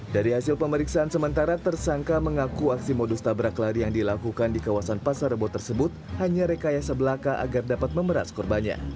dari hasil pemeriksaan sementara tersangka mengaku aksi modus tabrak lari yang dilakukan di kawasan pasar rebo tersebut hanya rekayasa belaka agar dapat memeras korbannya